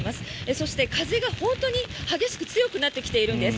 そして風が本当に激しく強くなってきているんです。